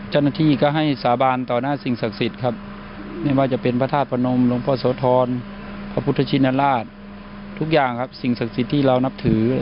เจ้าหน้าที่ก็ให้สาบานต่อหน้าสิ่งศักดิ์สิทธิ์ครับ